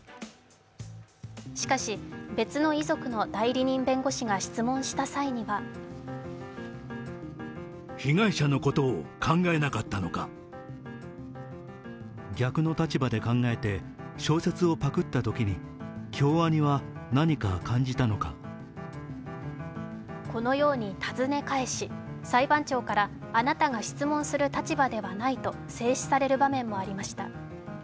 しかし、別の遺族の代理人弁護士が質問した際にはこのように尋ね返し裁判長からあなたが質問する立場ではないと制止される場面もありました。